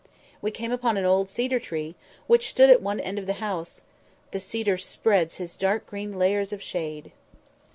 We came upon an old cedar tree, which stood at one end of the house— "The cedar spreads his dark green layers of shade."